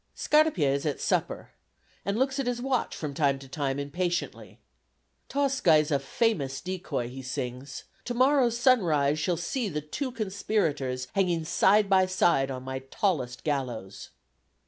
Scarpia is at supper, and looks at his watch from time to time impatiently. "Tosca is a famous decoy," he sings; "to morrow's sunrise shall see the two conspirators hanging side by side on my tallest gallows."